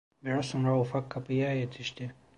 Biraz sonra ufak kapıya yetişti.